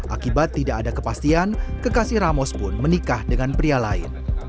akibat tidak ada kepastian kekasih ramos pun menikah dengan pria lain